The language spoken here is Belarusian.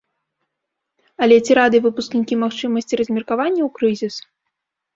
Але ці рады выпускнікі магчымасці размеркавання ў крызіс.